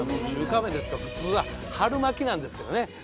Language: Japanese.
中華鍋ですと普通は春巻きなんですけどね。